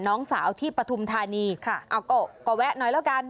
น้องสาวที่ปฐุมธานีค่ะเอาก็แวะหน่อยแล้วกัน